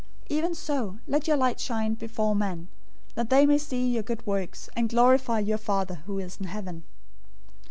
005:016 Even so, let your light shine before men; that they may see your good works, and glorify your Father who is in heaven.